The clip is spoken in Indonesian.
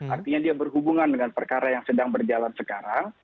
artinya dia berhubungan dengan perkara yang sedang berjalan sekarang